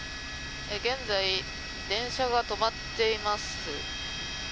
現在、電車が止まっています。